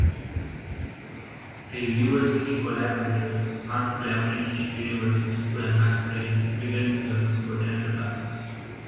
The university collaborates with Flemish universities to enable Belgian students to attend classes.